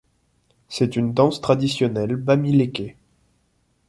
C'est une danse traditionnelle Bamiléké.